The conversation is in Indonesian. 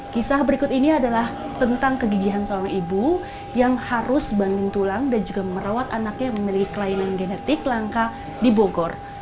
kisah berikut ini adalah tentang kegigihan seorang ibu yang harus bangun tulang dan juga merawat anaknya yang memiliki kelainan genetik langka di bogor